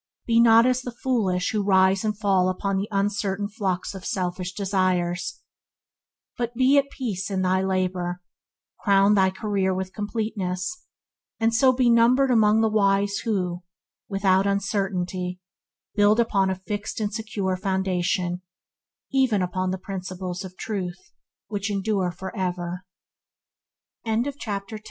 Be not as the foolish who rise and fall upon the uncertain flux of selfish desires: but be at peace in thy labour, crown thy career with completeness, and so be numbered among the wise who, without uncertainty, build upon a fixed and secure foundation – even upon the Principles of Truth which endure for ever.